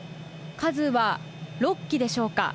数は６機でしょうか。